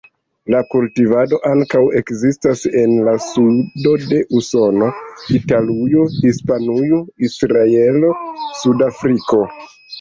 La kultivado ankaŭ ekzistas en la sudo de Usono, Italujo, Hispanujo, Israelo, Sudafriko.